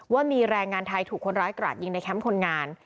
ว่ามีแรงงานไทยถูกคนร้ายกราดยิงในแคมป์คนงาน